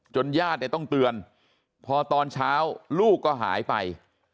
ญาติเนี่ยต้องเตือนพอตอนเช้าลูกก็หายไป